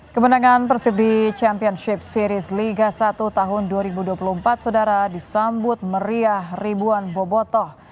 kemenangan persib di championship series liga satu tahun dua ribu dua puluh empat saudara disambut meriah ribuan bobotoh